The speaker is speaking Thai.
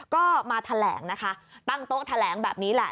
ก็มาแถลงนะคะตั้งโต๊ะแถลงแบบนี้แหละ